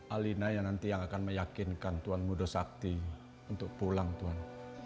alinaya nanti yang akan meyakinkan tuhan muda sakti untuk pulang tuhan